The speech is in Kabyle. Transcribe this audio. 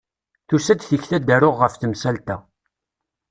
Tusa-d tikti ad d-aruɣ ɣef temsalt-a.